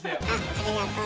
ありがとう。